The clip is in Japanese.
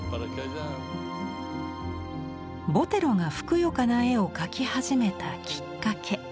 ボテロがふくよかな絵を描き始めたきっかけ